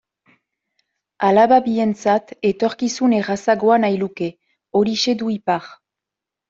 Alaba bientzat etorkizun errazagoa nahi luke, horixe du ipar.